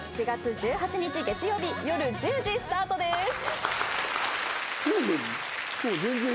４月１８日月曜日夜１０時スタートです。